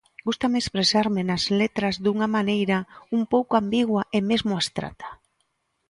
Gústame expresarme nas letras dunha maneira un pouco ambigua e mesmo abstracta.